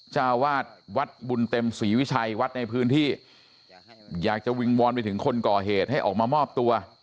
เจ้าวาดวัดบุญเต็มศรีวิชัยวัดในพื้นที่อยากจะวิงวอนไปถึงคนก่อเหตุให้ออกมามอบตัว